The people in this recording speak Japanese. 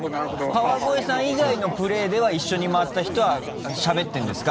川越さん以外のプレーでは一緒に回った人はしゃべってるんですか？